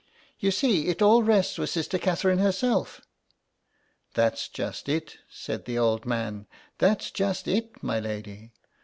" You see, it all rests with Sister Catherine herself" " That's just it," said the old man ;" that's just it, my lady.